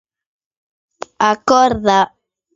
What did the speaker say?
A corda.